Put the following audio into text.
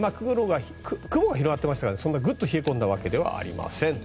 雲が広がっていましたからぐっと冷え込んだわけではありません。